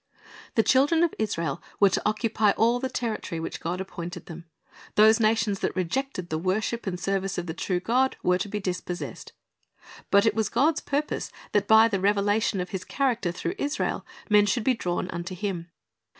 "' The children of Israel were to occupy all the territory which God appointed them. Those nations that rejected the worship and service of the true God, were to be dispossessed. But it was God's purpose that by the revelation of 'His character through Israel men should be drawn unto Him.